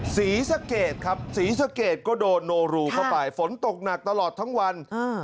ศรีสะเกดครับศรีสะเกดก็โดนโนรูเข้าไปฝนตกหนักตลอดทั้งวัน